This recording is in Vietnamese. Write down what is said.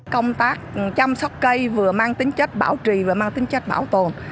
công tác chăm sóc cây vừa mang tính chất bảo trì và mang tính chất bảo tồn